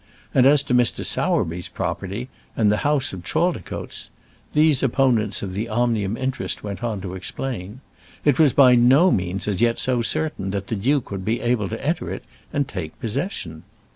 And as to Mr. Sowerby's property and the house of Chaldicotes these opponents of the Omnium interest went on to explain it was by no means as yet so certain that the duke would be able to enter it and take possession.